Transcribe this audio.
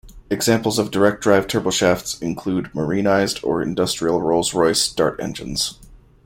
Examples of direct-drive turboshafts include marinised or industrial Rolls-Royce Dart engines.